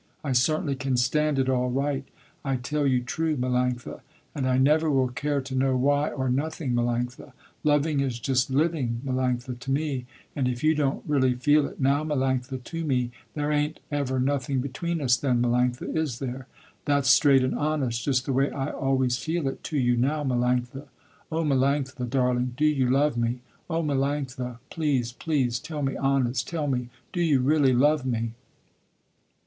I certainly can stand it all right, I tell you true Melanctha. And I never will care to know why or nothing Melanctha. Loving is just living Melanctha to me, and if you don't really feel it now Melanctha to me, there ain't ever nothing between us then Melanctha, is there? That's straight and honest just the way I always feel it to you now Melanctha. Oh Melanctha, darling, do you love me? Oh Melanctha, please, please, tell me honest, tell me, do you really love me?"